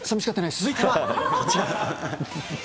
続いてはこちら。